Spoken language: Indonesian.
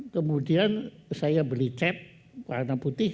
kemudian saya beli cat warna putih